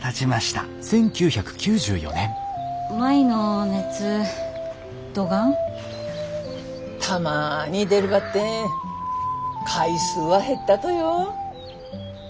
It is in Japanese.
たまに出るばってん回数は減ったとよ。